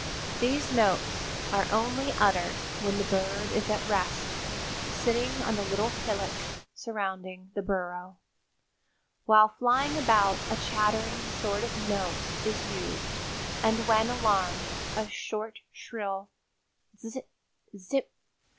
These notes are only uttered when the bird is at rest, sitting on the little hillock surrounding the burrow. While flying about a chattering sort of note is used and when alarmed a short shrill 'tzip tzip.